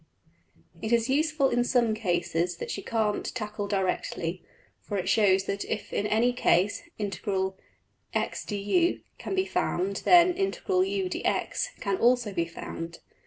\] It is useful in some cases that you can't tackle directly, for it shows that if in any case $\ds\int x\, du$ can be found, then $\ds\int u\, dx$ can also be found.